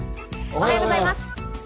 おはようございます。